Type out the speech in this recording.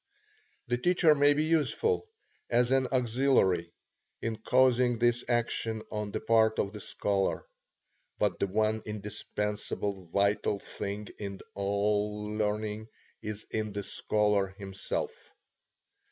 The teacher may be useful, as an auxiliary, in causing this action on the part of the scholar. But the one, indispensable, vital thing in all learning, is in the scholar himself.